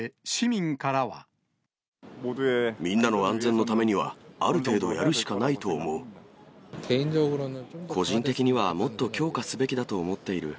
みんなの安全のためには、個人的には、もっと強化すべきだと思っている。